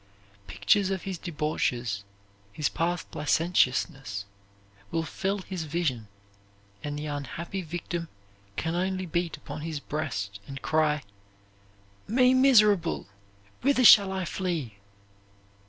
Pictures of his debauches, his past licentiousness, will fill his vision, and the unhappy victim can only beat upon his breast and cry, "Me miserable! Whither shall I flee?"